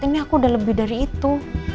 ini aku udah lebih dari itu